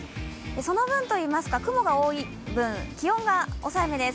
その分といいますか雲が多い分、気温が抑えめです。